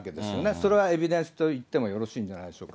それはエビデンスと言ってもよろしいんじゃないでしょうか。